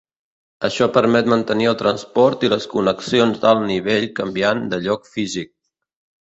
Això permet mantenir el transport i les connexions d'alt nivell canviant de lloc físic.